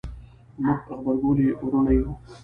موږ غبرګولي وروڼه یو